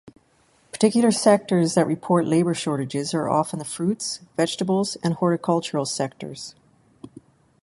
Particular sectors that report labour shortages are often the fruits, vegetables and horticultural sectors.